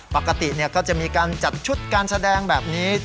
ปกติก็จะมีการจัดชุดการแสดงแบบนี้